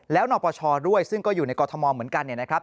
แล้วนปชด้วยซึ่งก็อยู่ในกรทมเหมือนกันเนี่ยนะครับ